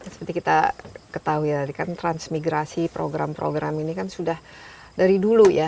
seperti kita ketahui tadi kan transmigrasi program program ini kan sudah dari dulu ya